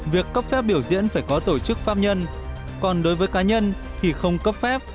việc cấp phép biểu diễn phải có tổ chức pháp nhân còn đối với cá nhân thì không cấp phép